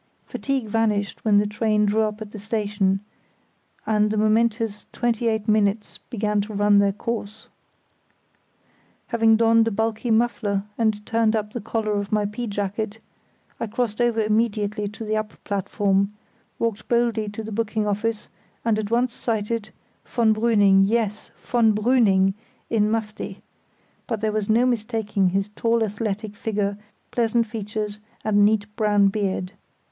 Fatigue vanished when the train drew up at the station, and the momentous twenty eight minutes began to run their course. Having donned a bulky muffler and turned up the collar of my pea jacket, I crossed over immediately to the up platform, walked boldly to the booking office, and at once sighted—von Brüning—yes, von Brüning in mufti; but there was no mistaking his tall athletic figure, pleasant features, and neat brown beard.